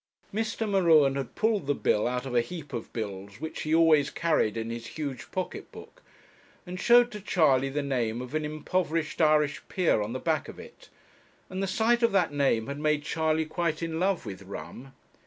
Mr. M'Ruen had pulled the bill out of a heap of bills which he always carried in his huge pocket book, and showed to Charley the name of an impoverished Irish peer on the back of it; and the sight of that name had made Charley quite in love with rum.